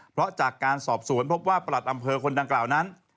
เพราะจากการสอบสวนพบว่าประหลัดอำเภอคนดังกล่าวนั้น